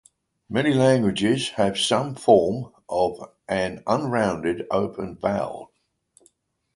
Many languages have some form of an unrounded open vowel.